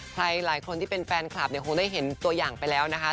ใครหลายคนที่เป็นแฟนคลับเนี่ยคงได้เห็นตัวอย่างไปแล้วนะคะ